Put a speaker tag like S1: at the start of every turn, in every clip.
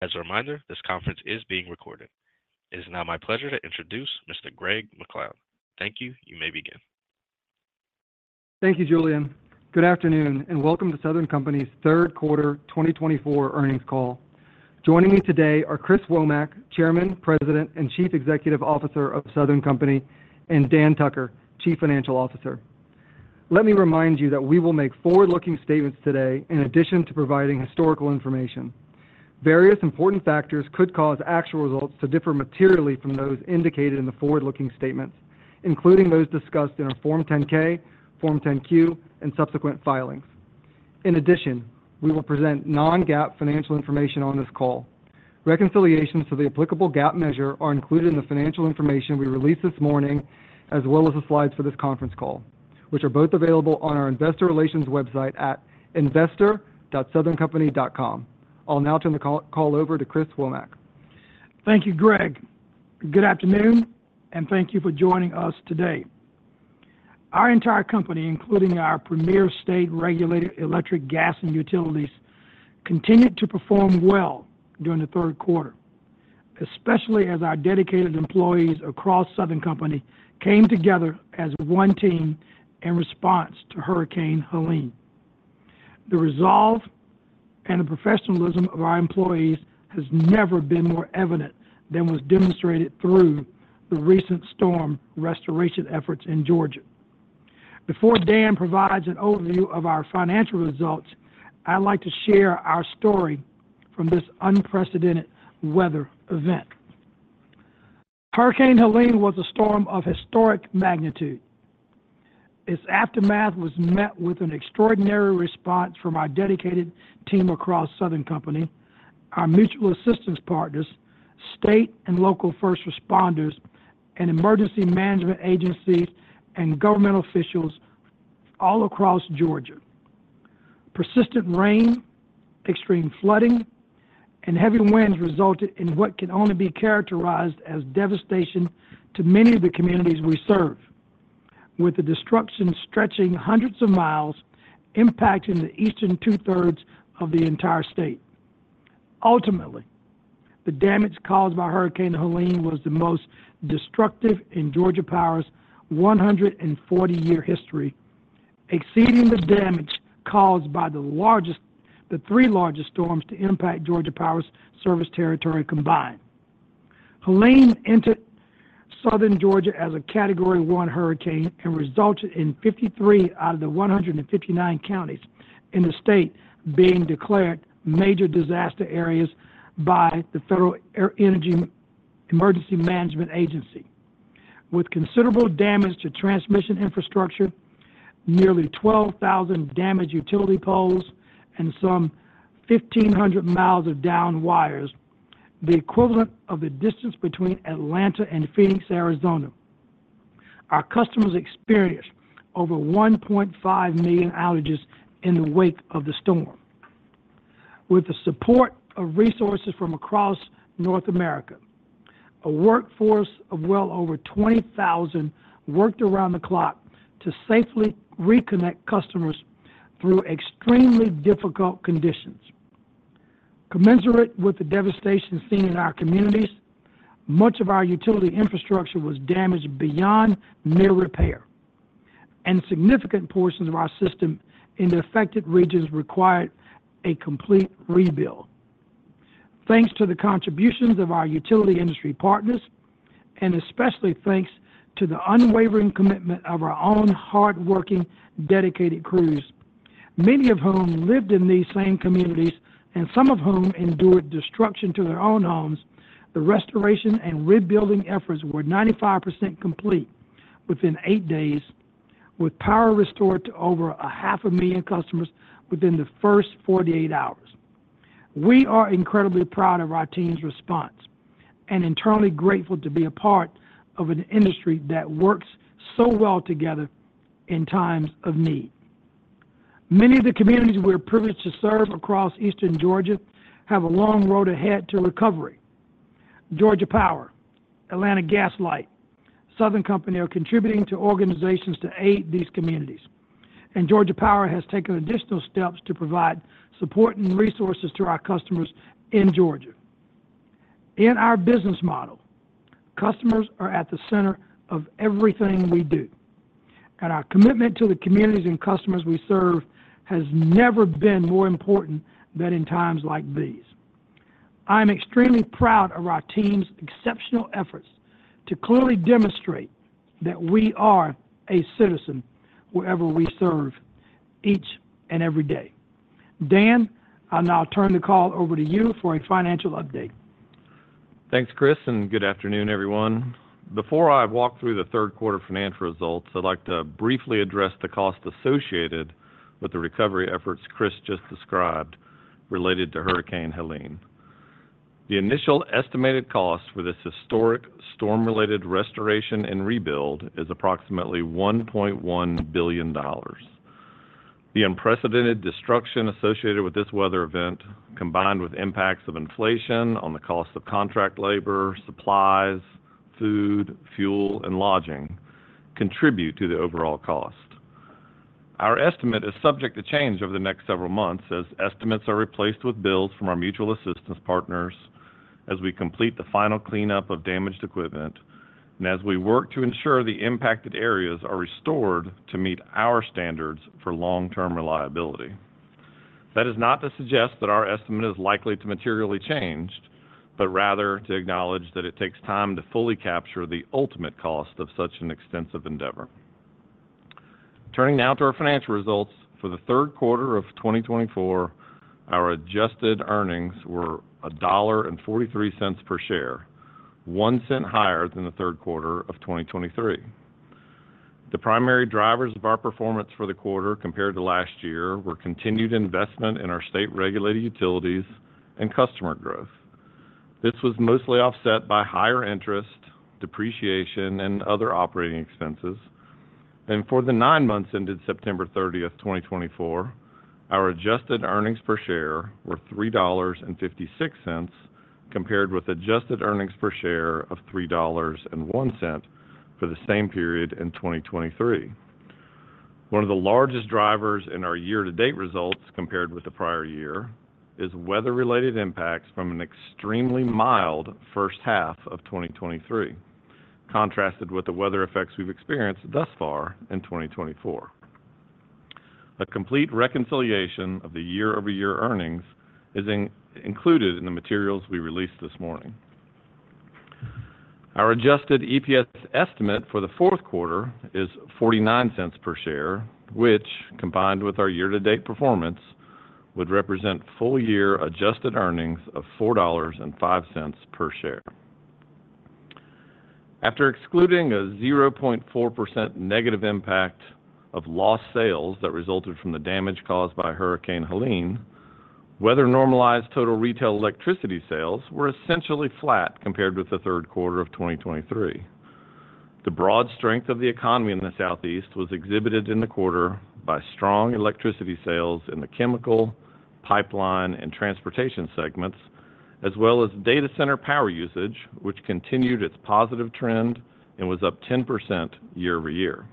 S1: As a reminder, this conference is being recorded. It is now my pleasure to introduce Mr. Greg MacLeod. Thank you. You may begin.
S2: Thank you, Julien. Good afternoon, and welcome to Southern Company's third quarter 2024 earnings call. Joining me today are Chris Womack, Chairman, President, and Chief Executive Officer of Southern Company, and Dan Tucker, Chief Financial Officer. Let me remind you that we will make forward-looking statements today in addition to providing historical information. Various important factors could cause actual results to differ materially from those indicated in the forward-looking statements, including those discussed in our Form 10-K, Form 10-Q, and subsequent filings. In addition, we will present non-GAAP financial information on this call. Reconciliations to the applicable GAAP measure are included in the financial information we released this morning, as well as the slides for this conference call, which are both available on our investor relations website at investor.southerncompany.com. I'll now turn the call over to Chris Womack.
S3: Thank you, Greg. Good afternoon, and thank you for joining us today. Our entire company, including our premier state regulated electric gas and utilities, continued to perform well during the third quarter, especially as our dedicated employees across Southern Company came together as one team in response to Hurricane Helene. The resolve and the professionalism of our employees has never been more evident than was demonstrated through the recent storm restoration efforts in Georgia. Before Dan provides an overview of our financial results, I'd like to share our story from this unprecedented weather event. Hurricane Helene was a storm of historic magnitude. Its aftermath was met with an extraordinary response from our dedicated team across Southern Company, our mutual assistance partners, state and local first responders, and emergency management agencies and government officials all across Georgia. Persistent rain, extreme flooding, and heavy winds resulted in what can only be characterized as devastation to many of the communities we serve, with the destruction stretching hundreds of miles, impacting the eastern two-thirds of the entire state. Ultimately, the damage caused by Hurricane Helene was the most destructive in Georgia Power's 140-year history, exceeding the damage caused by the three largest storms to impact Georgia Power's service territory combined. Helene entered southern Georgia as a Category 1 hurricane and resulted in 53 out of the 159 counties in the state being declared major disaster areas by the Federal Emergency Management Agency, with considerable damage to transmission infrastructure, nearly 12,000 damaged utility poles, and some 1,500 miles of downed wires, the equivalent of the distance between Atlanta and Phoenix, Arizona. Our customers experienced over 1.5 million outages in the wake of the storm. With the support of resources from across North America, a workforce of well over 20,000 worked around the clock to safely reconnect customers through extremely difficult conditions. Commensurate with the devastation seen in our communities, much of our utility infrastructure was damaged beyond mere repair, and significant portions of our system in the affected regions required a complete rebuild. Thanks to the contributions of our utility industry partners, and especially thanks to the unwavering commitment of our own hardworking, dedicated crews, many of whom lived in these same communities and some of whom endured destruction to their own homes, the restoration and rebuilding efforts were 95% complete within eight days, with power restored to over 500,000 customers within the first 48 hours. We are incredibly proud of our team's response and eternally grateful to be a part of an industry that works so well together in times of need. Many of the communities we are privileged to serve across eastern Georgia have a long road ahead to recovery. Georgia Power, Atlanta Gas Light, Southern Company are contributing to organizations to aid these communities, and Georgia Power has taken additional steps to provide support and resources to our customers in Georgia. In our business model, customers are at the center of everything we do, and our commitment to the communities and customers we serve has never been more important than in times like these. I am extremely proud of our team's exceptional efforts to clearly demonstrate that we are a citizen wherever we serve, each and every day. Dan, I'll now turn the call over to you for a financial update.
S1: Thanks, Chris, and good afternoon, everyone. Before I walk through the third quarter financial results, I'd like to briefly address the cost associated with the recovery efforts Chris just described related to Hurricane Helene. The initial estimated cost for this historic storm-related restoration and rebuild is approximately $1.1 billion. The unprecedented destruction associated with this weather event, combined with impacts of inflation on the cost of contract labor, supplies, food, fuel, and lodging, contribute to the overall cost. Our estimate is subject to change over the next several months as estimates are replaced with bills from our mutual assistance partners as we complete the final cleanup of damaged equipment and as we work to ensure the impacted areas are restored to meet our standards for long-term reliability. That is not to suggest that our estimate is likely to materially change, but rather to acknowledge that it takes time to fully capture the ultimate cost of such an extensive endeavor. Turning now to our financial results, for the third quarter of 2024, our adjusted earnings were $1.43 per share, one cent higher than the third quarter of 2023. The primary drivers of our performance for the quarter compared to last year were continued investment in our state-regulated utilities and customer growth. This was mostly offset by higher interest, depreciation, and other operating expenses. And for the nine months ended September 30, 2024, our adjusted earnings per share were $3.56 compared with adjusted earnings per share of $3.01 for the same period in 2023. One of the largest drivers in our year-to-date results compared with the prior year is weather-related impacts from an extremely mild first half of 2023, contrasted with the weather effects we've experienced thus far in 2024. A complete reconciliation of the year-over-year earnings is included in the materials we released this morning. Our adjusted EPS estimate for the fourth quarter is $0.49 per share, which, combined with our year-to-date performance, would represent full-year adjusted earnings of $4.05 per share. After excluding a 0.4% negative impact of lost sales that resulted from the damage caused by Hurricane Helene, weather-normalized total retail electricity sales were essentially flat compared with the third quarter of 2023. The broad strength of the economy in the Southeast was exhibited in the quarter by strong electricity sales in the chemical, pipeline, and transportation segments, as well as data center power usage, which continued its positive trend and was up 10% year-over-year.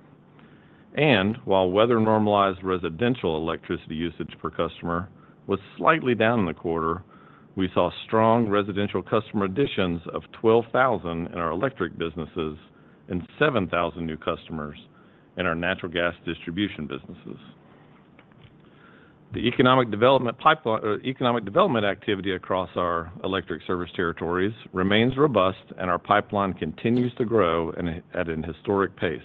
S1: And while weather-normalized residential electricity usage per customer was slightly down in the quarter, we saw strong residential customer additions of 12,000 in our electric businesses and 7,000 new customers in our natural gas distribution businesses. The economic development activity across our electric service territories remains robust, and our pipeline continues to grow at a historic pace.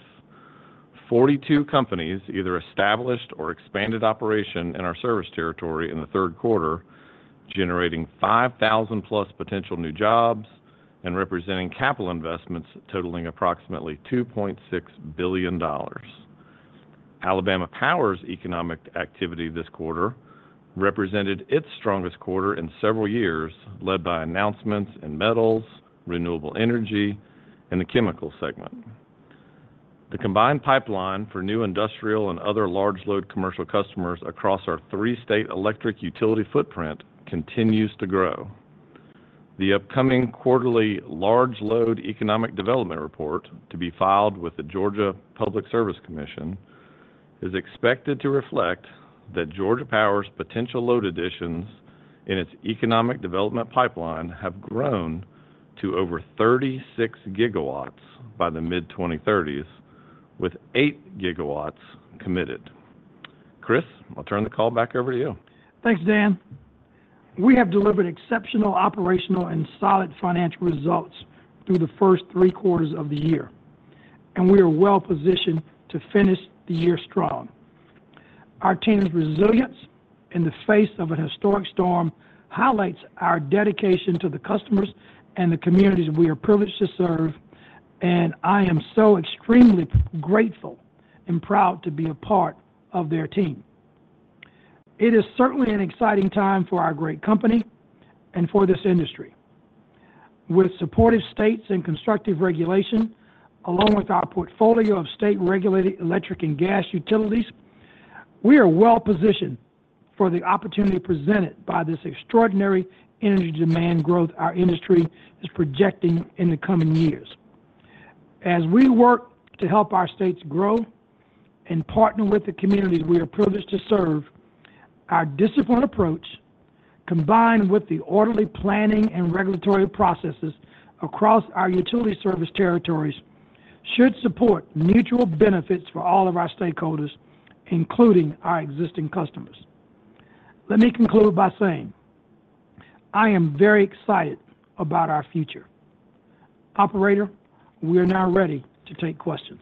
S1: Forty-two companies either established or expanded operation in our service territory in the third quarter, generating 5,000-plus potential new jobs and representing capital investments totaling approximately $2.6 billion. Alabama Power's economic activity this quarter represented its strongest quarter in several years, led by announcements in metals, renewable energy, and the chemical segment. The combined pipeline for new industrial and other large-load commercial customers across our three-state electric utility footprint continues to grow. The upcoming quarterly large-load economic development report to be filed with the Georgia Public Service Commission is expected to reflect that Georgia Power's potential load additions in its economic development pipeline have grown to over 36 gigawatts by the mid-2030s, with 8 gigawatts committed. Chris, I'll turn the call back over to you.
S3: Thanks, Dan. We have delivered exceptional operational and solid financial results through the first three quarters of the year, and we are well-positioned to finish the year strong. Our team's resilience in the face of a historic storm highlights our dedication to the customers and the communities we are privileged to serve, and I am so extremely grateful and proud to be a part of their team. It is certainly an exciting time for our great company and for this industry. With supportive states and constructive regulation, along with our portfolio of state-regulated electric and gas utilities, we are well-positioned for the opportunity presented by this extraordinary energy demand growth our industry is projecting in the coming years. As we work to help our states grow and partner with the communities we are privileged to serve, our disciplined approach, combined with the orderly planning and regulatory processes across our utility service territories, should support mutual benefits for all of our stakeholders, including our existing customers. Let me conclude by saying I am very excited about our future. Operator, we are now ready to take questions.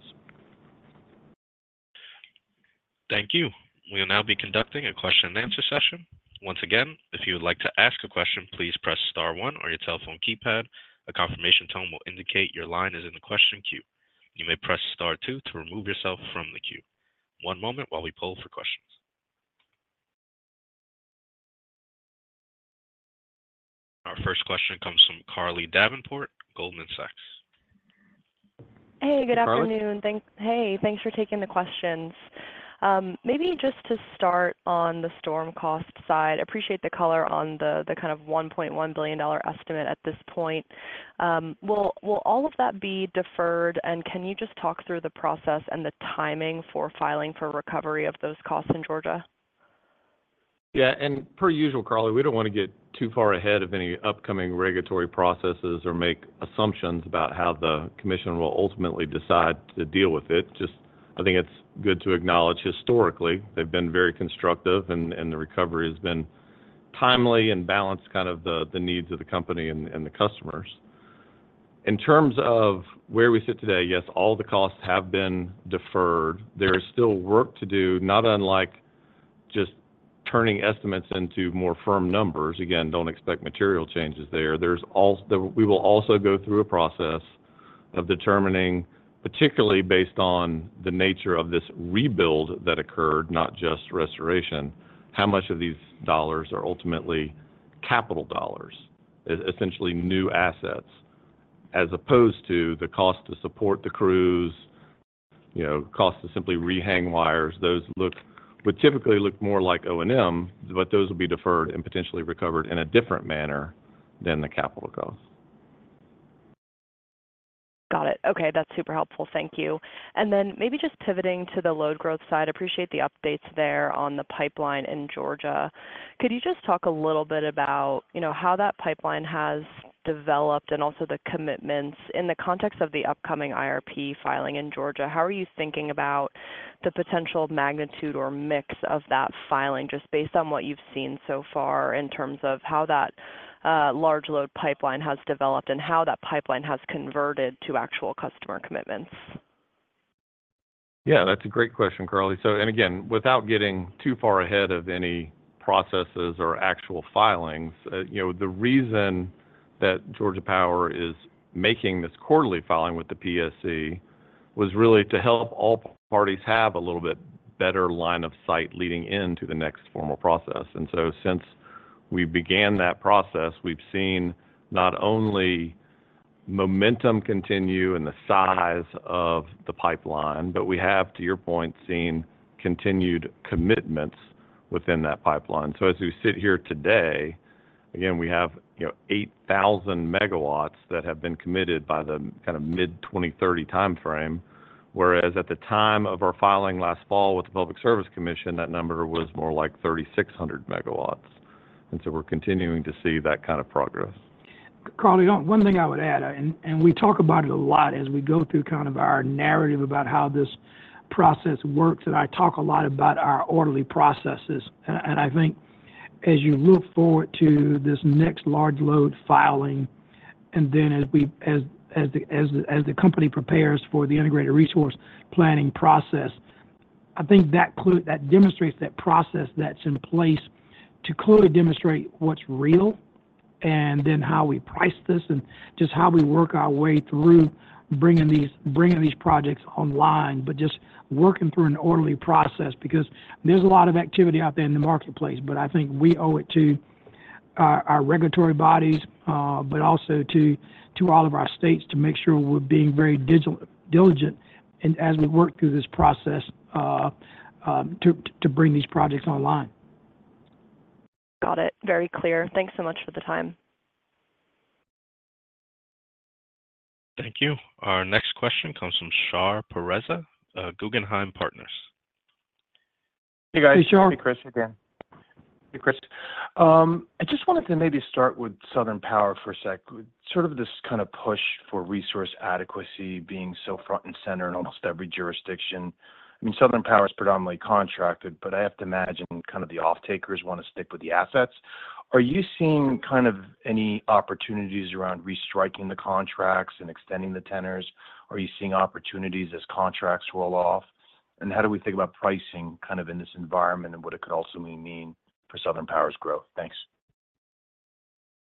S1: Thank you. We will now be conducting a question-and-answer session. Once again, if you would like to ask a question, please press Star 1 on your telephone keypad. A confirmation tone will indicate your line is in the question queue. You may press Star 2 to remove yourself from the queue. One moment while we poll for questions. Our first question comes from Carly Davenport, Goldman Sachs.
S4: Hey, good afternoon.
S1: Hello.
S4: Thanks. Hey, thanks for taking the questions. Maybe just to start on the storm cost side, I appreciate the color on the kind of $1.1 billion estimate at this point. Will all of that be deferred, and can you just talk through the process and the timing for filing for recovery of those costs in Georgia?
S1: Yeah. And per usual, Carly, we don't want to get too far ahead of any upcoming regulatory processes or make assumptions about how the commission will ultimately decide to deal with it. Just, I think it's good to acknowledge historically, they've been very constructive, and the recovery has been timely and balanced kind of the needs of the company and the customers. In terms of where we sit today, yes, all the costs have been deferred. There is still work to do, not unlike just turning estimates into more firm numbers. Again, don't expect material changes there. We will also go through a process of determining, particularly based on the nature of this rebuild that occurred, not just restoration, how much of these dollars are ultimately capital dollars, essentially new assets, as opposed to the cost to support the crews, cost to simply rehang wires. Those would typically look more like O&M, but those will be deferred and potentially recovered in a different manner than the capital costs.
S4: Got it. Okay. That's super helpful. Thank you. And then maybe just pivoting to the load growth side, I appreciate the updates there on the pipeline in Georgia. Could you just talk a little bit about how that pipeline has developed and also the commitments in the context of the upcoming IRP filing in Georgia? How are you thinking about the potential magnitude or mix of that filing, just based on what you've seen so far in terms of how that large-load pipeline has developed and how that pipeline has converted to actual customer commitments?
S1: Yeah, that's a great question, Carly. And again, without getting too far ahead of any processes or actual filings, the reason that Georgia Power is making this quarterly filing with the PSC was really to help all parties have a little bit better line of sight leading into the next formal process. And so since we began that process, we've seen not only momentum continue in the size of the pipeline, but we have, to your point, seen continued commitments within that pipeline. So as we sit here today, again, we have 8,000 megawatts that have been committed by the kind of mid-2030 timeframe, whereas at the time of our filing last fall with the Public Service Commission, that number was more like 3,600 megawatts. And so we're continuing to see that kind of progress.
S3: Carly, one thing I would add, and we talk about it a lot as we go through kind of our narrative about how this process works, and I talk a lot about our orderly processes, and I think as you look forward to this next large-load filing, and then as the company prepares for the integrated resource planning process, I think that demonstrates that process that's in place to clearly demonstrate what's real and then how we price this and just how we work our way through bringing these projects online, but just working through an orderly process because there's a lot of activity out there in the marketplace, but I think we owe it to our regulatory bodies, but also to all of our states to make sure we're being very diligent as we work through this process to bring these projects online.
S4: Got it. Very clear. Thanks so much for the time.
S1: Thank you. Our next question comes from Shahriar Pourreza, Guggenheim Partners.
S5: Hey, guys.
S3: Hey, Shar.
S5: Hey, Chris again. Hey, Chris. I just wanted to maybe start with Southern Power for a sec, sort of this kind of push for resource adequacy being so front and center in almost every jurisdiction. I mean, Southern Power is predominantly contracted, but I have to imagine kind of the off-takers want to stick with the assets. Are you seeing kind of any opportunities around restriking the contracts and extending the tenors? Are you seeing opportunities as contracts roll off? And how do we think about pricing kind of in this environment and what it could also mean for Southern Power's growth? Thanks.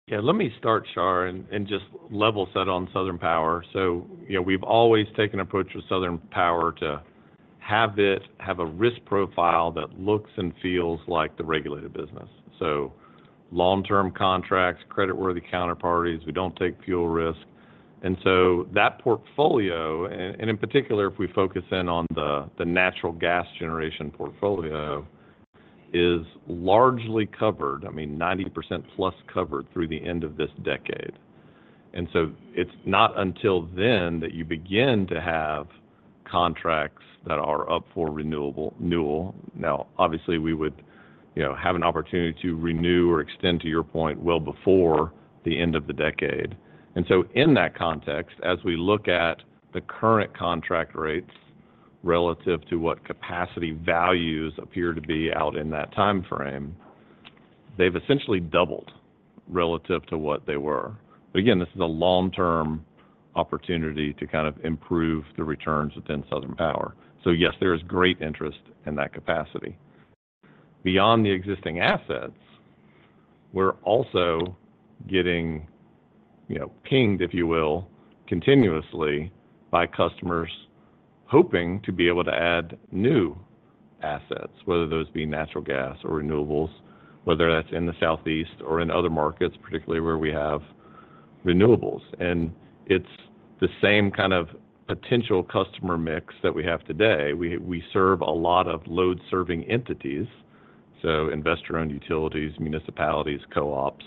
S1: Yeah. Let me start, Shar, and just level set on Southern Power. So we've always taken an approach with Southern Power to have a risk profile that looks and feels like the regulated business. So long-term contracts, credit-worthy counterparties, we don't take fuel risk. And so that portfolio, and in particular, if we focus in on the natural gas generation portfolio, is largely covered, I mean, 90% plus covered through the end of this decade. And so it's not until then that you begin to have contracts that are up for renewal. Now, obviously, we would have an opportunity to renew or extend, to your point, well before the end of the decade. And so in that context, as we look at the current contract rates relative to what capacity values appear to be out in that timeframe, they've essentially doubled relative to what they were. But again, this is a long-term opportunity to kind of improve the returns within Southern Power. So yes, there is great interest in that capacity. Beyond the existing assets, we're also getting pinged, if you will, continuously by customers hoping to be able to add new assets, whether those be natural gas or renewables, whether that's in the Southeast or in other markets, particularly where we have renewables. And it's the same kind of potential customer mix that we have today. We serve a lot of load-serving entities, so investor-owned utilities, municipalities, co-ops.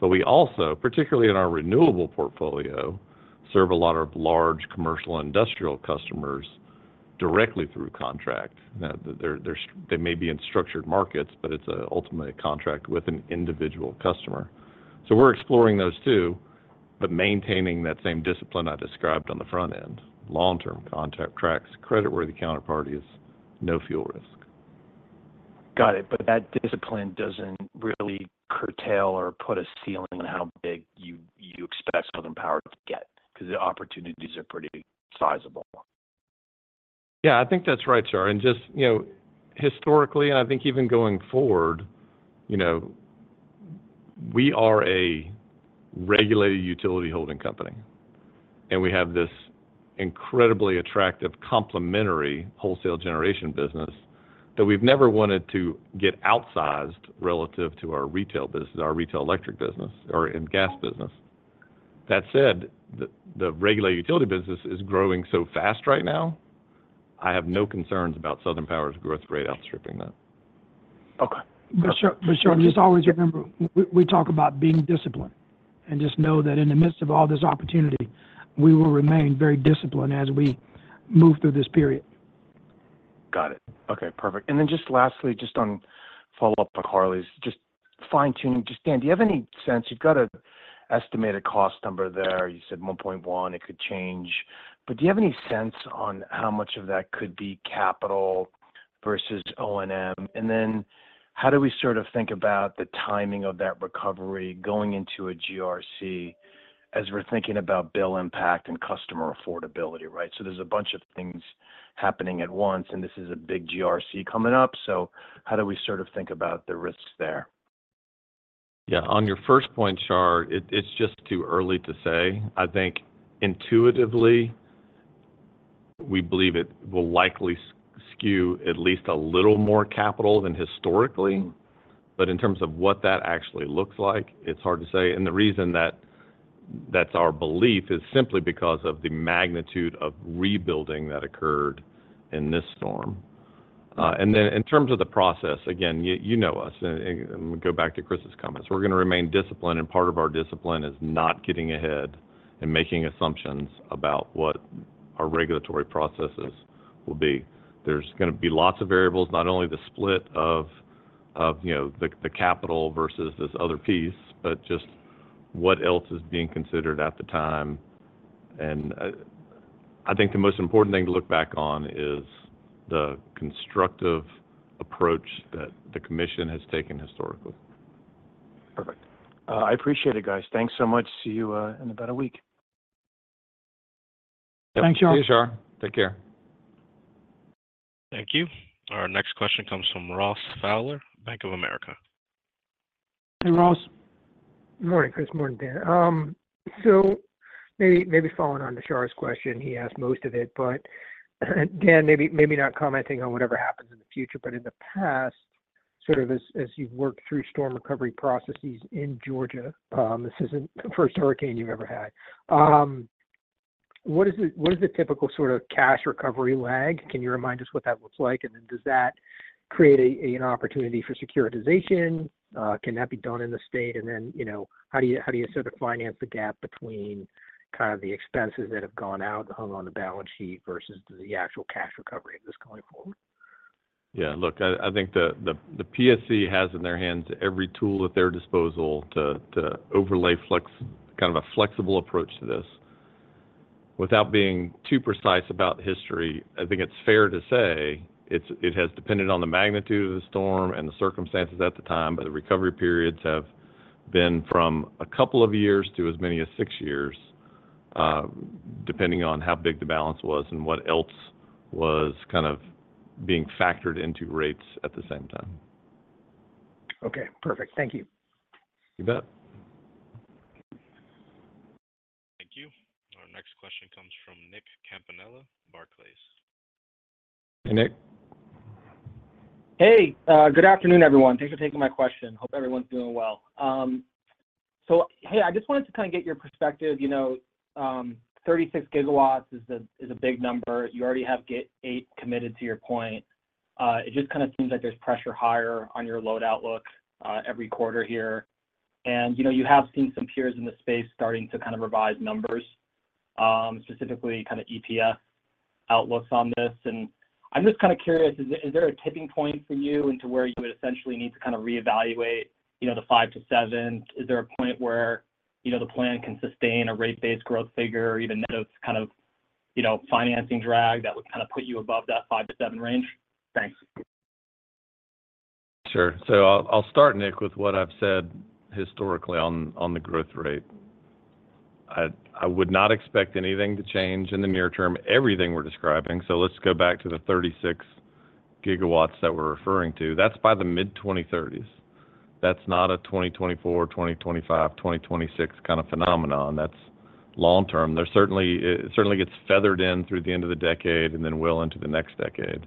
S1: But we also, particularly in our renewable portfolio, serve a lot of large commercial industrial customers directly through contract. They may be in structured markets, but it's ultimately a contract with an individual customer. So we're exploring those too, but maintaining that same discipline I described on the front end, long-term contract tracks, credit-worthy counterparties, no fuel risk.
S5: Got it. But that discipline doesn't really curtail or put a ceiling on how big you expect Southern Power to get because the opportunities are pretty sizable.
S1: Yeah, I think that's right, Shar. And just historically, and I think even going forward, we are a regulated utility holding company, and we have this incredibly attractive complementary wholesale generation business that we've never wanted to get outsized relative to our retail business, our retail electric business, or in gas business. That said, the regulated utility business is growing so fast right now, I have no concerns about Southern Power's growth rate outstripping that.
S3: Okay, but sir, just always remember, we talk about being disciplined, and just know that in the midst of all this opportunity, we will remain very disciplined as we move through this period.
S5: Got it. Okay. Perfect. And then just lastly, just on follow-up on Carly's, just fine-tuning. Just, Dan, do you have any sense? You've got an estimated cost number there. You said 1.1. It could change. But do you have any sense on how much of that could be capital versus O&M? And then how do we sort of think about the timing of that recovery going into a GRC as we're thinking about bill impact and customer affordability, right? So there's a bunch of things happening at once, and this is a big GRC coming up. So how do we sort of think about the risks there?
S1: Yeah. On your first point, Shar, it's just too early to say. I think intuitively, we believe it will likely skew at least a little more capital than historically. But in terms of what that actually looks like, it's hard to say. And the reason that that's our belief is simply because of the magnitude of rebuilding that occurred in this storm. And then in terms of the process, again, you know us. And go back to Chris's comments. We're going to remain disciplined, and part of our discipline is not getting ahead and making assumptions about what our regulatory processes will be. There's going to be lots of variables, not only the split of the capital versus this other piece, but just what else is being considered at the time. I think the most important thing to look back on is the constructive approach that the commission has taken historically.
S5: Perfect. I appreciate it, guys. Thanks so much. See you in about a week.
S3: Thanks, Shar.
S5: See you, Shar. Take care.
S1: Thank you. Our next question comes from Ross Fowler, Bank of America.
S6: Hey, Ross. Good morning, Chris. Morning, Dan. So maybe following on to Shar's question, he asked most of it. But, Dan, maybe not commenting on whatever happens in the future, but in the past, sort of as you've worked through storm recovery processes in Georgia, this isn't the first hurricane you've ever had. What is the typical sort of cash recovery lag? Can you remind us what that looks like? And then does that create an opportunity for securitization? Can that be done in the state? And then how do you sort of finance the gap between kind of the expenses that have gone out and hung on the balance sheet versus the actual cash recovery of this going forward?
S1: Yeah. Look, I think the PSC has in their hands every tool at their disposal to overlay kind of a flexible approach to this. Without being too precise about history, I think it's fair to say it has depended on the magnitude of the storm and the circumstances at the time, but the recovery periods have been from a couple of years to as many as six years, depending on how big the balance was and what else was kind of being factored into rates at the same time.
S5: Okay. Perfect. Thank you.
S1: You bet. Thank you. Our next question comes from Nick Campanella, Barclays. Hey, Nick.
S7: Hey. Good afternoon, everyone. Thanks for taking my question. Hope everyone's doing well. So hey, I just wanted to kind of get your perspective. 36 gigawatts is a big number. You already have Gate 8 committed, to your point. It just kind of seems like there's pressure higher on your load outlook every quarter here. And you have seen some peers in the space starting to kind of revise numbers, specifically kind of EPS outlooks on this. And I'm just kind of curious, is there a tipping point for you into where you would essentially need to kind of reevaluate the 5-7? Is there a point where the plan can sustain a rate-based growth figure or even net of kind of financing drag that would kind of put you above that 5-7 range? Thanks.
S1: Sure. So I'll start, Nick, with what I've said historically on the growth rate. I would not expect anything to change in the near term, everything we're describing. So let's go back to the 36 gigawatts that we're referring to. That's by the mid-2030s. That's not a 2024, 2025, 2026 kind of phenomenon. That's long-term. It certainly gets feathered in through the end of the decade and then well into the next decade.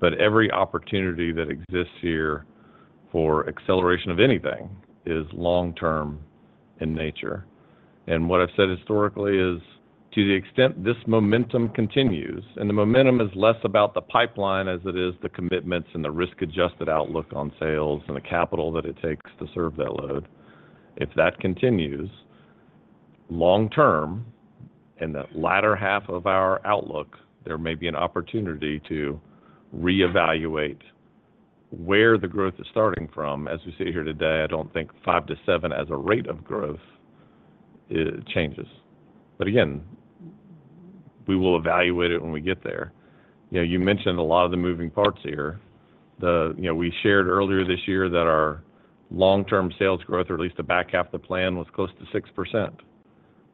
S1: But every opportunity that exists here for acceleration of anything is long-term in nature. And what I've said historically is to the extent this momentum continues, and the momentum is less about the pipeline as it is the commitments and the risk-adjusted outlook on sales and the capital that it takes to serve that load, if that continues long-term in the latter half of our outlook, there may be an opportunity to reevaluate where the growth is starting from. As we sit here today, I don't think 5 to 7 as a rate of growth changes. But again, we will evaluate it when we get there. You mentioned a lot of the moving parts here. We shared earlier this year that our long-term sales growth, or at least the back half of the plan, was close to 6%.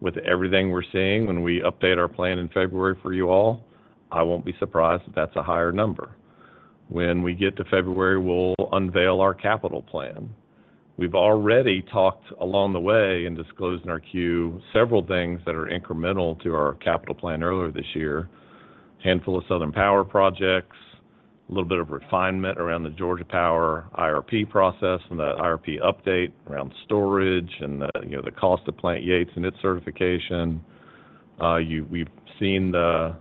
S1: With everything we're seeing when we update our plan in February for you all, I won't be surprised if that's a higher number. When we get to February, we'll unveil our capital plan. We've already talked along the way and disclosed in our Q several things that are incremental to our capital plan earlier this year: a handful of Southern Power projects, a little bit of refinement around the Georgia Power IRP process and the IRP update around storage and the cost of Plant Yates and its certification. We've seen the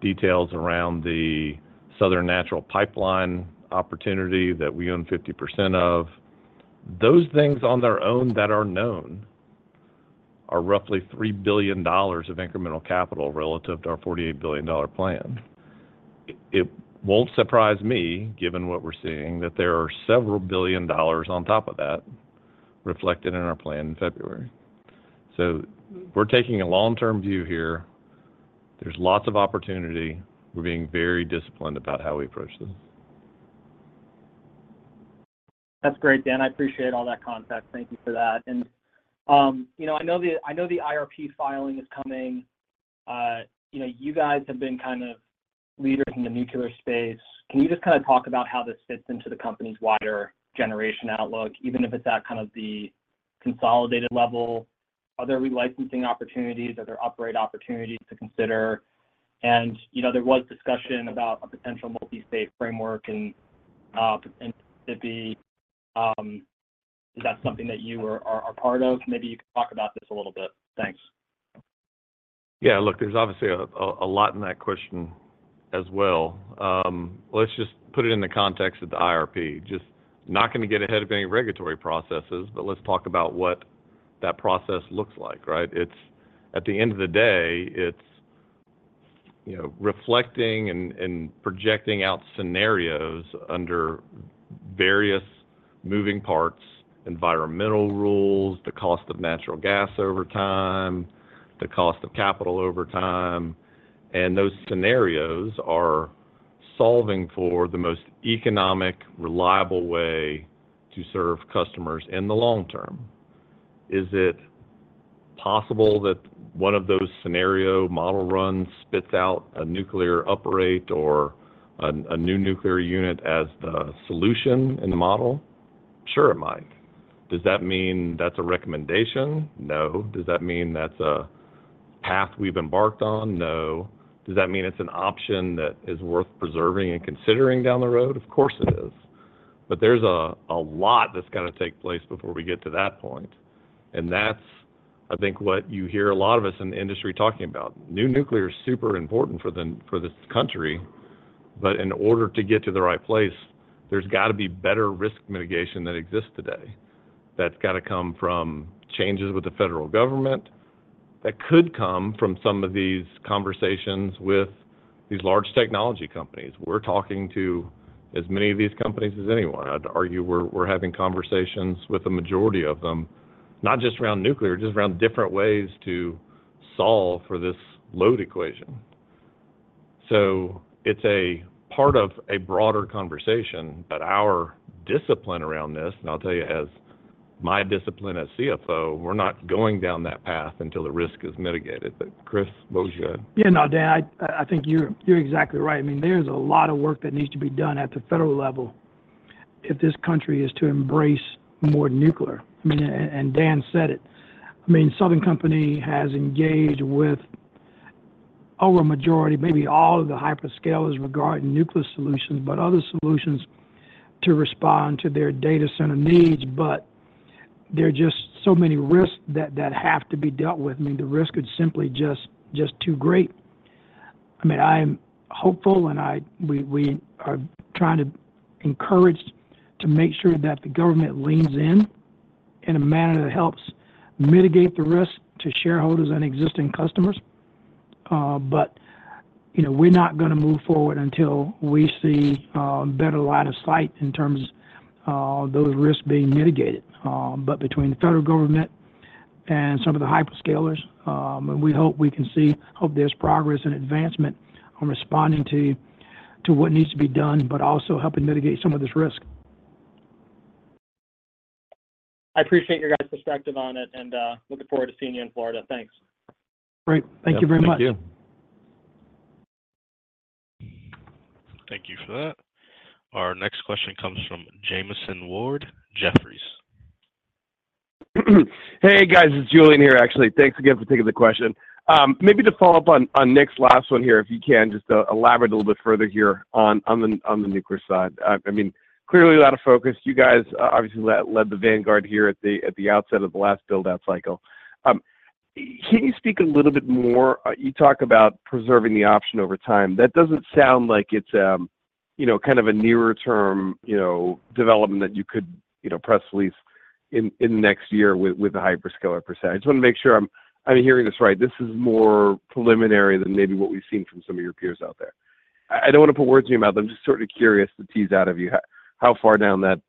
S1: details around the Southern Natural pipeline opportunity that we own 50% of. Those things on their own that are known are roughly $3 billion of incremental capital relative to our $48 billion plan. It won't surprise me, given what we're seeing, that there are several billion dollars on top of that reflected in our plan in February. So we're taking a long-term view here. There's lots of opportunity. We're being very disciplined about how we approach this.
S7: That's great, Dan. I appreciate all that context. Thank you for that. And I know the IRP filing is coming. You guys have been kind of leaders in the nuclear space. Can you just kind of talk about how this fits into the company's wider generation outlook, even if it's at kind of the consolidated level? Are there relicensing opportunities? Are there upgrade opportunities to consider? And there was discussion about a potential multi-state framework, and is that something that you are part of? Maybe you can talk about this a little bit. Thanks.
S1: Yeah. Look, there's obviously a lot in that question as well. Let's just put it in the context of the IRP. Just not going to get ahead of any regulatory processes, but let's talk about what that process looks like, right? At the end of the day, it's reflecting and projecting out scenarios under various moving parts: environmental rules, the cost of natural gas over time, the cost of capital over time. And those scenarios are solving for the most economic, reliable way to serve customers in the long term. Is it possible that one of those scenario model runs spits out a nuclear uprate or a new nuclear unit as the solution in the model? Sure, it might. Does that mean that's a recommendation? No. Does that mean that's a path we've embarked on? No. Does that mean it's an option that is worth preserving and considering down the road? Of course it is. But there's a lot that's got to take place before we get to that point. And that's, I think, what you hear a lot of us in the industry talking about. New nuclear is super important for this country, but in order to get to the right place, there's got to be better risk mitigation that exists today. That's got to come from changes with the federal government that could come from some of these conversations with these large technology companies. We're talking to as many of these companies as anyone. I'd argue we're having conversations with the majority of them, not just around nuclear, just around different ways to solve for this load equation. So it's a part of a broader conversation, but our discipline around this, and I'll tell you, as my discipline as CFO, we're not going down that path until the risk is mitigated. But, Chris, what was your?
S3: Yeah, no, Dan, I think you're exactly right. I mean, there's a lot of work that needs to be done at the federal level if this country is to embrace more nuclear. I mean, and Dan said it. I mean, Southern Company has engaged with over a majority, maybe all of the hyperscalers regarding nuclear solutions, but other solutions to respond to their data center needs. But there are just so many risks that have to be dealt with. I mean, the risk is simply just too great. I mean, I'm hopeful, and we are trying to encourage to make sure that the government leans in in a manner that helps mitigate the risk to shareholders and existing customers. But we're not going to move forward until we see better line of sight in terms of those risks being mitigated. But between the federal government and some of the hyperscalers, we hope we can see, hope there's progress and advancement on responding to what needs to be done, but also helping mitigate some of this risk.
S7: I appreciate your guys' perspective on it and looking forward to seeing you in Florida. Thanks.
S3: Great. Thank you very much.
S1: Thank you. Thank you for that. Our next question comes from Jamieson Ward, Jefferies.
S8: Hey, guys. It's Julien here, actually. Thanks again for taking the question. Maybe to follow up on Nick's last one here, if you can, just to elaborate a little bit further here on the nuclear side. I mean, clearly a lot of focus. You guys obviously led the vanguard here at the outset of the last buildout cycle. Can you speak a little bit more? You talk about preserving the option over time. That doesn't sound like it's kind of a nearer-term development that you could press release in the next year with a hyperscaler per se. I just want to make sure I'm hearing this right. This is more preliminary than maybe what we've seen from some of your peers out there. I don't want to put words in your mouth. I'm just sort of curious to tease out of you how far down that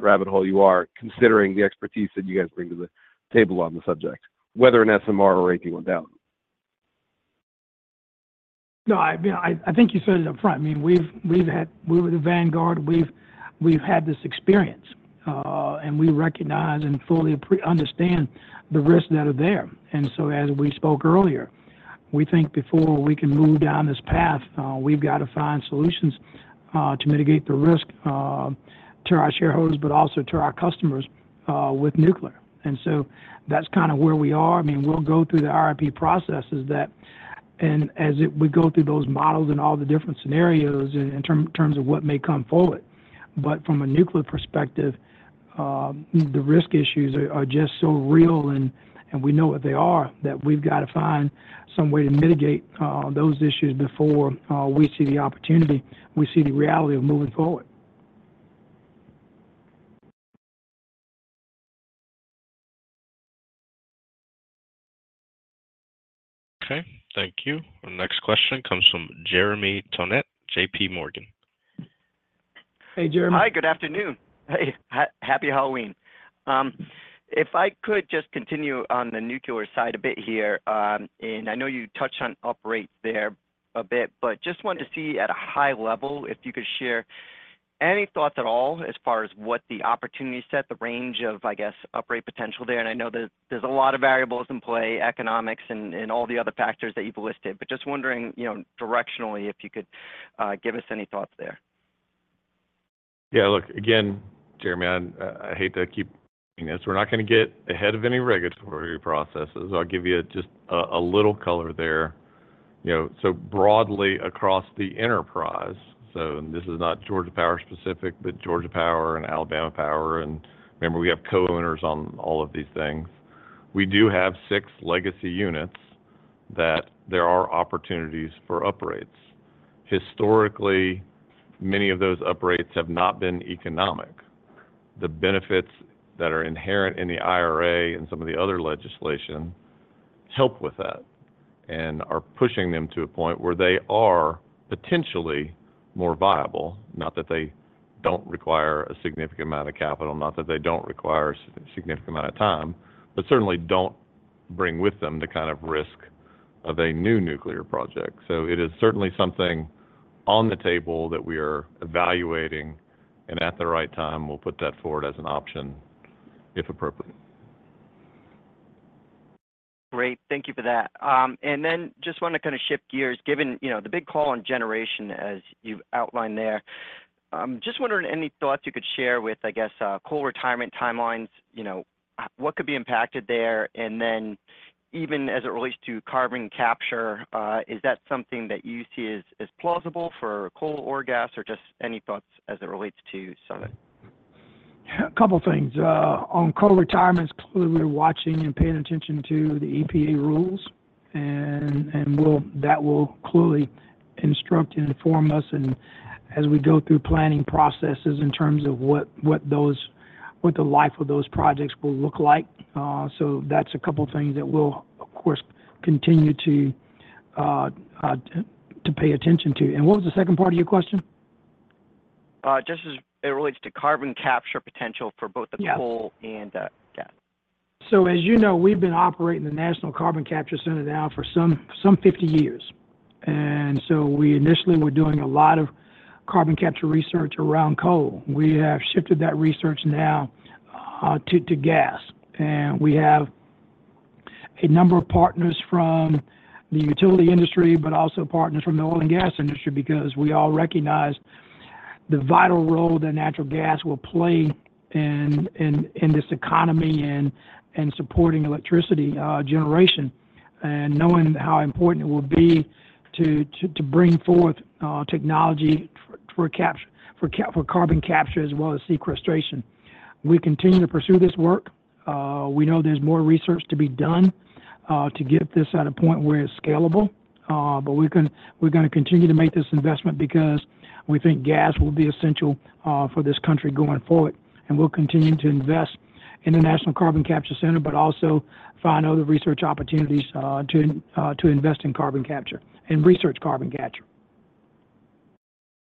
S8: rabbit hole you are, considering the expertise that you guys bring to the table on the subject, whether in SMR or AP1000.
S3: No, I think you said it upfront. I mean, we're the vanguard. We've had this experience, and we recognize and fully understand the risks that are there. And so, as we spoke earlier, we think before we can move down this path, we've got to find solutions to mitigate the risk to our shareholders, but also to our customers with nuclear. And so that's kind of where we are. I mean, we'll go through the IRP processes, and as we go through those models and all the different scenarios in terms of what may come forward. But from a nuclear perspective, the risk issues are just so real, and we know what they are that we've got to find some way to mitigate those issues before we see the opportunity, we see the reality of moving forward.
S1: Okay. Thank you. Our next question comes from Jeremy Tonet, J.P. Morgan.
S3: Hey, Jeremy.
S7: Hi. Good afternoon. Hey. Happy Halloween. If I could just continue on the nuclear side a bit here, and I know you touched on uprate there a bit, but just wanted to see at a high level if you could share any thoughts at all as far as what the opportunity set, the range of, I guess, uprate potential there. And I know that there's a lot of variables in play, economics and all the other factors that you've listed, but just wondering directionally if you could give us any thoughts there?
S1: Yeah. Look, again, Jeremy, I hate to keep saying this. We're not going to get ahead of any regulatory processes. I'll give you just a little color there. So broadly across the enterprise, so this is not Georgia Power specific, but Georgia Power and Alabama Power, and remember we have co-owners on all of these things. We do have six legacy units that there are opportunities for uprates. Historically, many of those uprates have not been economic. The benefits that are inherent in the IRA and some of the other legislation help with that and are pushing them to a point where they are potentially more viable, not that they don't require a significant amount of capital, not that they don't require a significant amount of time, but certainly don't bring with them the kind of risk of a new nuclear project. So it is certainly something on the table that we are evaluating, and at the right time, we'll put that forward as an option if appropriate.
S9: Great. Thank you for that. And then just want to kind of shift gears. Given the big call on generation, as you've outlined there, I'm just wondering any thoughts you could share with, I guess, coal retirement timelines, what could be impacted there, and then even as it relates to carbon capture, is that something that you see as plausible for coal or gas or just any thoughts as it relates to some of it?
S3: A couple of things. On coal retirements, clearly we're watching and paying attention to the EPA rules, and that will clearly instruct and inform us as we go through planning processes in terms of what the life of those projects will look like. So that's a couple of things that we'll, of course, continue to pay attention to. And what was the second part of your question?
S7: Just as it relates to carbon capture potential for both the coal and gas.
S3: So as you know, we've been operating the National Carbon Capture Center now for some 50 years. And so we initially were doing a lot of carbon capture research around coal. We have shifted that research now to gas. And we have a number of partners from the utility industry, but also partners from the oil and gas industry because we all recognize the vital role that natural gas will play in this economy and supporting electricity generation and knowing how important it will be to bring forth technology for carbon capture as well as sequestration. We continue to pursue this work. We know there's more research to be done to get this at a point where it's scalable, but we're going to continue to make this investment because we think gas will be essential for this country going forward. And we'll continue to invest in the National Carbon Capture Center, but also find other research opportunities to invest in carbon capture and research carbon capture.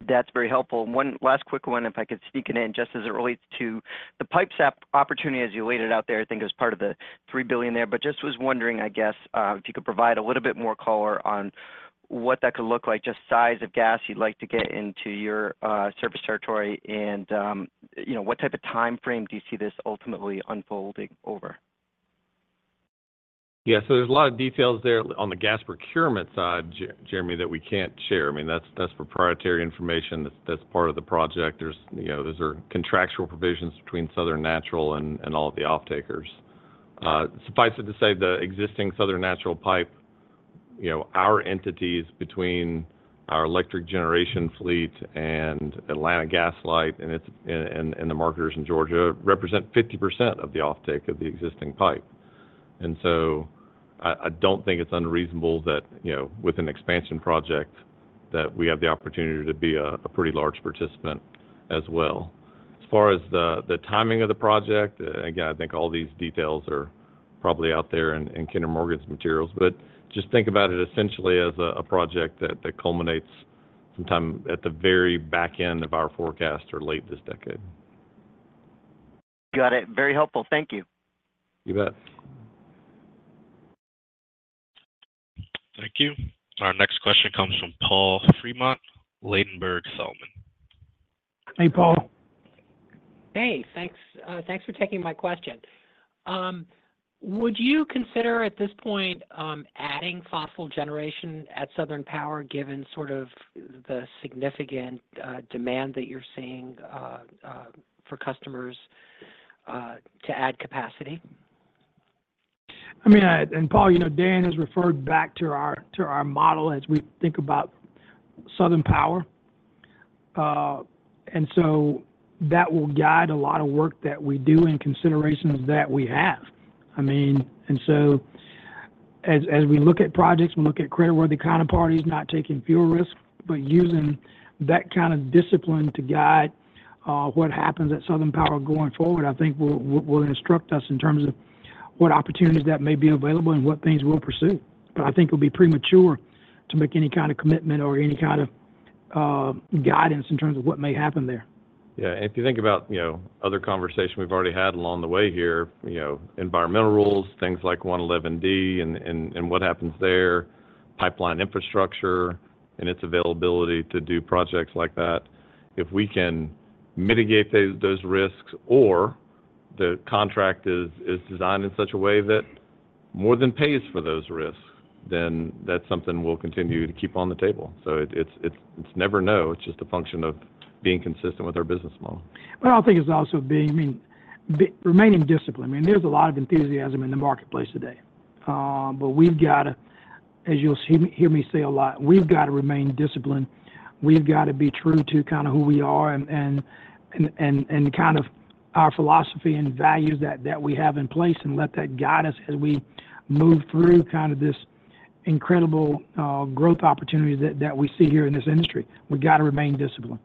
S9: That's very helpful. One last quick one, if I could sneak it in, just as it relates to the pipes opportunity, as you laid it out there, I think it was part of the 3 billion there, but just was wondering, I guess, if you could provide a little bit more color on what that could look like, just size of gas you'd like to get into your service territory, and what type of timeframe do you see this ultimately unfolding over?
S1: Yeah. So there's a lot of details there on the gas procurement side, Jeremy, that we can't share. I mean, that's proprietary information. That's part of the project. There's contractual provisions between Southern Natural and all of the off-takers. Suffice it to say, the existing Southern Natural pipe, our entities between our electric generation fleet and Atlanta Gas Light and the marketers in Georgia represent 50% of the offtake of the existing pipe. And so I don't think it's unreasonable that with an expansion project that we have the opportunity to be a pretty large participant as well. As far as the timing of the project, again, I think all these details are probably out there in Kinder Morgan's materials, but just think about it essentially as a project that culminates sometime at the very back end of our forecast or late this decade.
S9: Got it. Very helpful. Thank you.
S1: You bet. Thank you. Our next question comes from Paul Fremont, Ladenburg Thalmann.
S3: Hey, Paul.
S10: Hey. Thanks for taking my question. Would you consider at this point adding fossil generation at Southern Power given sort of the significant demand that you're seeing for customers to add capacity?
S3: I mean, and Paul, Dan has referred back to our model as we think about Southern Power, and so that will guide a lot of work that we do and considerations that we have. I mean, and so as we look at projects and look at credit-worthy counterparties, not taking fuel risk, but using that kind of discipline to guide what happens at Southern Power going forward, I think will instruct us in terms of what opportunities that may be available and what things we'll pursue, but I think it'll be premature to make any kind of commitment or any kind of guidance in terms of what may happen there.
S1: Yeah, and if you think about other conversations we've already had along the way here, environmental rules, things like 111(d) and what happens there, pipeline infrastructure, and its availability to do projects like that, if we can mitigate those risks or the contract is designed in such a way that more than pays for those risks, then that's something we'll continue to keep on the table. So it's never no. It's just a function of being consistent with our business model.
S3: But I think it's also being, I mean, remaining disciplined. I mean, there's a lot of enthusiasm in the marketplace today, but we've got to, as you'll hear me say a lot, we've got to remain disciplined. We've got to be true to kind of who we are and kind of our philosophy and values that we have in place and let that guide us as we move through kind of this incredible growth opportunity that we see here in this industry. We've got to remain disciplined.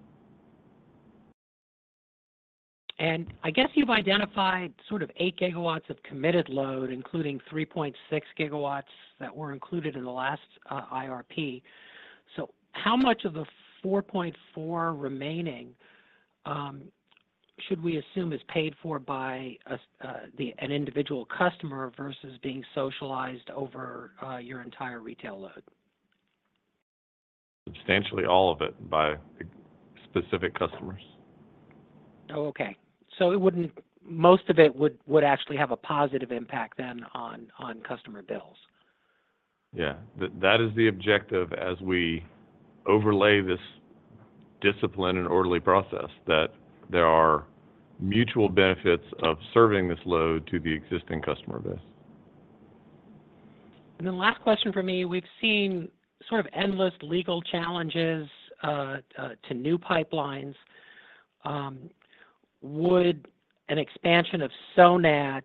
S10: And I guess you've identified sort of 8 gigawatts of committed load, including 3.6 gigawatts that were included in the last IRP. So how much of the 4.4 remaining should we assume is paid for by an individual customer versus being socialized over your entire retail load?
S1: Substantially all of it by specific customers.
S10: Oh, okay, so most of it would actually have a positive impact then on customer bills.
S1: Yeah. That is the objective as we overlay this discipline and orderly process, that there are mutual benefits of serving this load to the existing customer base.
S10: And then last question for me. We've seen sort of endless legal challenges to new pipelines. Would an expansion of Sonat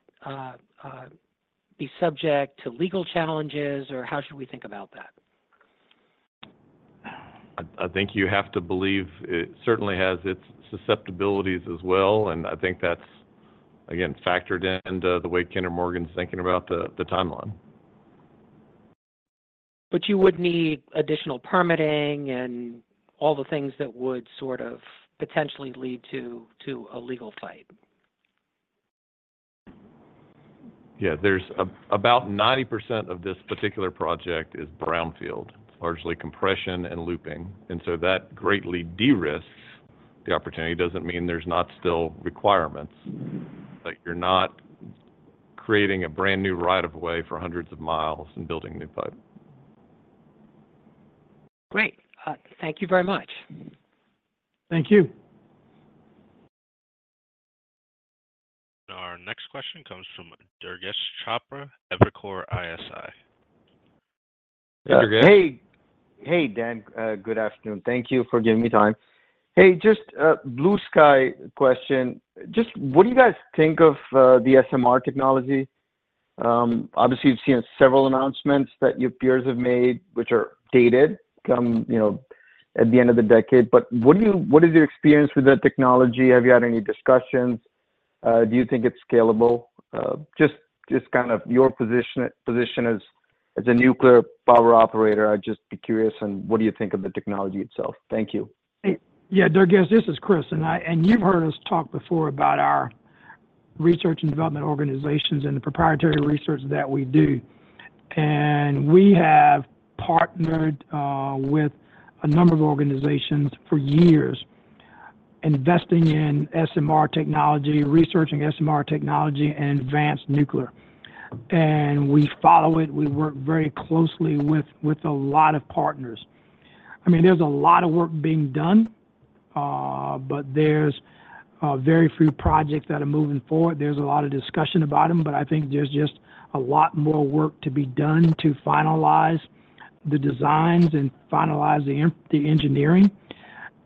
S10: be subject to legal challenges, or how should we think about that?
S1: I think you have to believe it certainly has its susceptibilities as well, and I think that's, again, factored into the way Kinder Morgan's thinking about the timeline.
S10: But you would need additional permitting and all the things that would sort of potentially lead to a legal fight.
S1: Yeah. There's about 90% of this particular project is brownfield, largely compression and looping. And so that greatly de-risked the opportunity. It doesn't mean there's not still requirements, but you're not creating a brand new right of way for hundreds of miles and building new pipe.
S10: Great. Thank you very much.
S3: Thank you.
S1: Our next question comes from Durgesh Chopra, Evercore ISI.
S11: Hey, Dan. Good afternoon. Thank you for giving me time. Hey, just a blue sky question. Just what do you guys think of the SMR technology? Obviously, you've seen several announcements that your peers have made, which are dated at the end of the decade, but what is your experience with that technology? Have you had any discussions? Do you think it's scalable? Just kind of your position as a nuclear power operator. I'd just be curious on what do you think of the technology itself. Thank you.
S3: Yeah. Durgesh, this is Chris. And you've heard us talk before about our research and development organizations and the proprietary research that we do. And we have partnered with a number of organizations for years investing in SMR technology, researching SMR technology, and advanced nuclear. And we follow it. We work very closely with a lot of partners. I mean, there's a lot of work being done, but there's very few projects that are moving forward. There's a lot of discussion about them, but I think there's just a lot more work to be done to finalize the designs and finalize the engineering.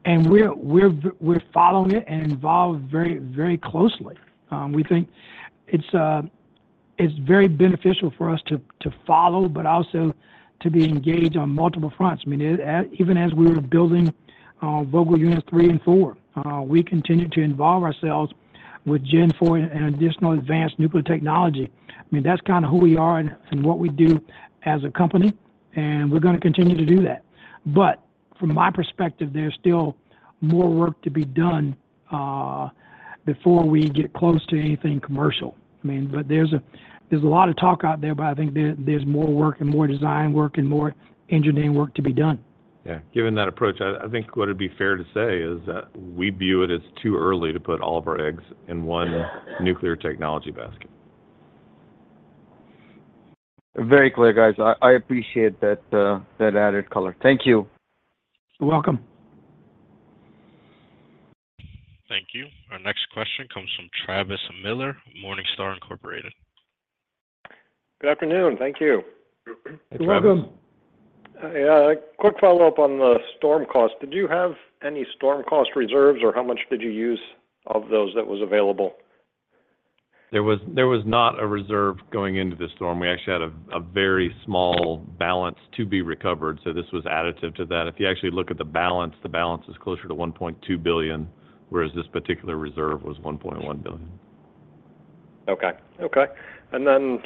S3: And we're following it and involved very closely. We think it's very beneficial for us to follow, but also to be engaged on multiple fronts. I mean, even as we were building Vogtle Units 3 and 4, we continue to involve ourselves with Gen 4 and additional advanced nuclear technology. I mean, that's kind of who we are and what we do as a company, and we're going to continue to do that. But from my perspective, there's still more work to be done before we get close to anything commercial. I mean, but there's a lot of talk out there, but I think there's more work and more design work and more engineering work to be done.
S1: Yeah. Given that approach, I think what would be fair to say is that we view it as too early to put all of our eggs in one nuclear technology basket.
S11: Very clear, guys. I appreciate that added color. Thank you.
S3: You're welcome.
S1: Thank you. Our next question comes from Travis Miller, Morningstar Incorporated.
S12: Good afternoon. Thank you.
S3: You're welcome.
S12: Yeah. Quick follow-up on the storm cost. Did you have any storm cost reserves, or how much did you use of those that was available?
S1: There was not a reserve going into this storm. We actually had a very small balance to be recovered. So this was additive to that. If you actually look at the balance, the balance is closer to $1.2 billion, whereas this particular reserve was $1.1 billion.
S12: Okay. And then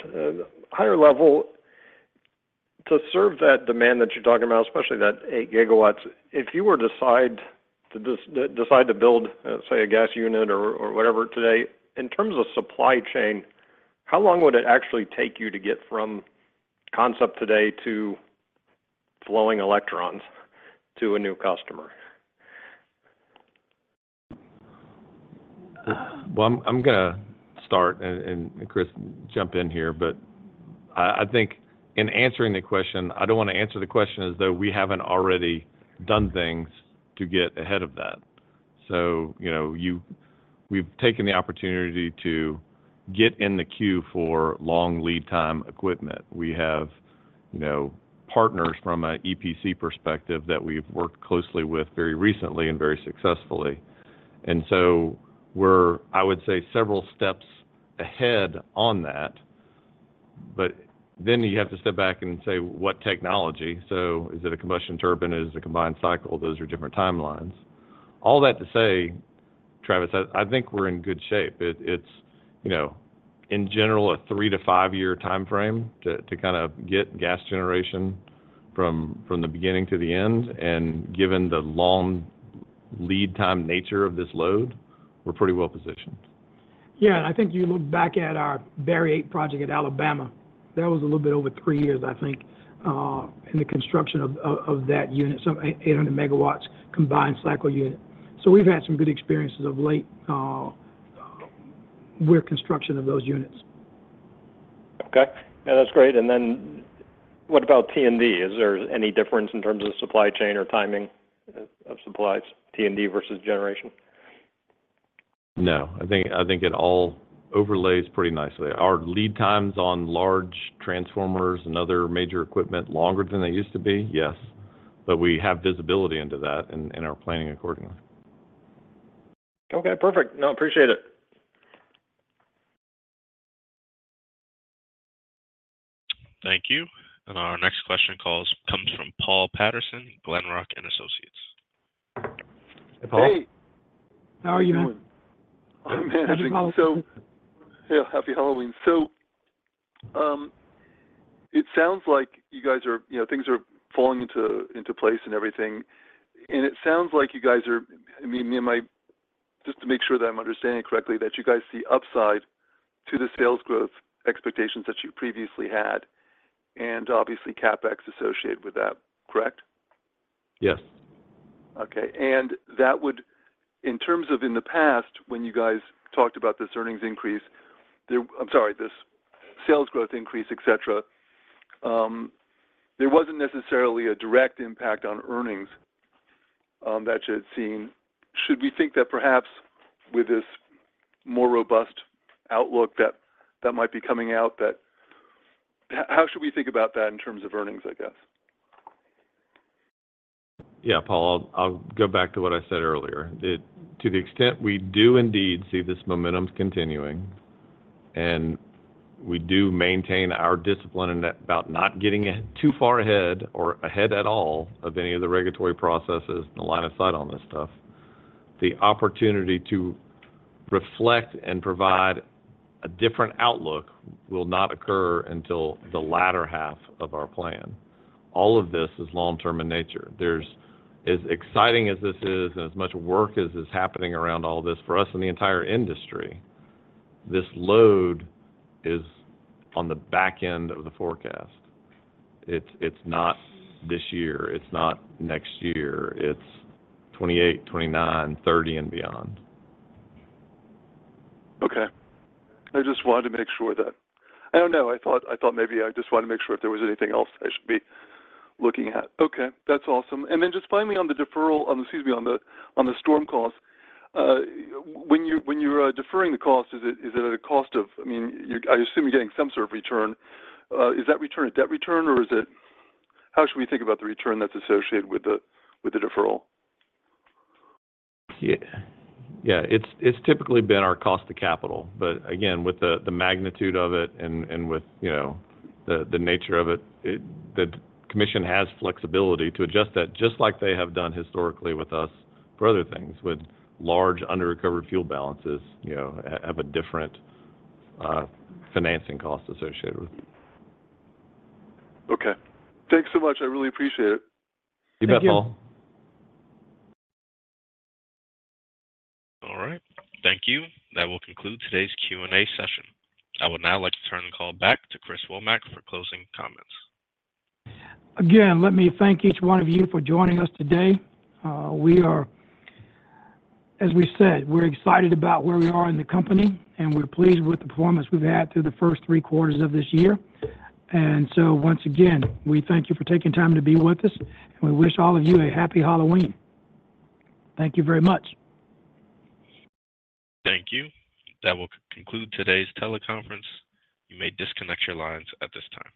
S12: higher level, to serve that demand that you're talking about, especially that eight gigawatts, if you were to decide to build, say, a gas unit or whatever today, in terms of supply chain, how long would it actually take you to get from concept today to flowing electrons to a new customer?
S1: I'm going to start, and Chris, jump in here, but I think in answering the question, I don't want to answer the question as though we haven't already done things to get ahead of that. So we've taken the opportunity to get in the queue for long lead time equipment. We have partners from an EPC perspective that we've worked closely with very recently and very successfully. And so we're, I would say, several steps ahead on that. But then you have to step back and say, "What technology?" So is it a combustion turbine? Is it a combined cycle? Those are different timelines. All that to say, Travis, I think we're in good shape. It's, in general, a three- to five-year timeframe to kind of get gas generation from the beginning to the end. And given the long lead time nature of this load, we're pretty well positioned.
S3: Yeah, and I think you look back at our Barry 8 project at Alabama. That was a little bit over three years, I think, in the construction of that unit, some 800 megawatts combined cycle unit, so we've had some good experiences of late with construction of those units.
S12: Okay. Yeah. That's great. And then what about T&D? Is there any difference in terms of supply chain or timing of supplies, T&D versus generation?
S1: No. I think it all overlays pretty nicely. Our lead times on large transformers and other major equipment longer than they used to be, yes. But we have visibility into that and are planning accordingly.
S12: Okay. Perfect. No, appreciate it.
S1: Thank you. And our next question comes from Paul Patterson, Glenrock Associates.
S13: Hey, Paul.
S3: Hey. How are you?
S13: How are you doing?
S3: I'm managing it.
S13: Yeah. Happy Halloween. So it sounds like you guys, things are falling into place and everything. And it sounds like you guys are, I mean, just to make sure that I'm understanding it correctly, that you guys see upside to the sales growth expectations that you previously had and obviously CapEx associated with that, correct?
S1: Yes.
S13: Okay. In terms of in the past, when you guys talked about this earnings increase, I'm sorry, this sales growth increase, etc., there wasn't necessarily a direct impact on earnings that you had seen. Should we think that perhaps with this more robust outlook that might be coming out, how should we think about that in terms of earnings, I guess?
S1: Yeah, Paul, I'll go back to what I said earlier. To the extent we do indeed see this momentum continuing and we do maintain our discipline about not getting too far ahead or ahead at all of any of the regulatory processes and the line of sight on this stuff, the opportunity to reflect and provide a different outlook will not occur until the latter half of our plan. All of this is long-term in nature. As exciting as this is and as much work as is happening around all this, for us in the entire industry, this load is on the back end of the forecast. It's not this year. It's not next year. It's 2028, 2029, 2030, and beyond.
S13: I thought maybe I just wanted to make sure if there was anything else I should be looking at. Okay. That's awesome. And then just finally on the deferral, excuse me, on the storm cost, when you're deferring the cost, is it at a cost of, I mean, I assume you're getting some sort of return. Is that return a debt return, or how should we think about the return that's associated with the deferral?
S1: Yeah. It's typically been our cost of capital. But again, with the magnitude of it and with the nature of it, the commission has flexibility to adjust that just like they have done historically with us for other things. With large under-recovered fuel balances, have a different financing cost associated with it.
S13: Okay. Thanks so much. I really appreciate it.
S1: You bet, Paul. All right. Thank you. That will conclude today's Q&A session. I would now like to turn the call back to Chris Womack for closing comments.
S3: Again, let me thank each one of you for joining us today. As we said, we're excited about where we are in the company, and we're pleased with the performance we've had through the first three quarters of this year. And so once again, we thank you for taking time to be with us, and we wish all of you a happy Halloween. Thank you very much.
S1: Thank you. That will conclude today's teleconference. You may disconnect your lines at this time.